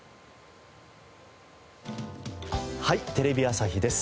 『はい！テレビ朝日です』